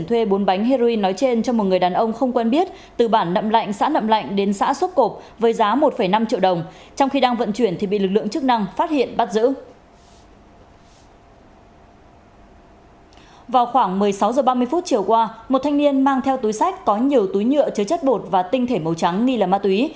trong hai phút chiều qua một thanh niên mang theo túi sách có nhiều túi nhựa chứa chất bột và tinh thể màu trắng nghi là ma túy